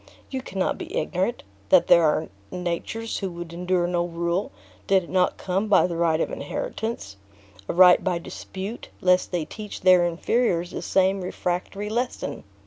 You cannot be ignorant, that there are natures who would endure no rule, did it not come by the right of inheritance; a right by dispute, lest they teach their inferiors the same refractory lesson.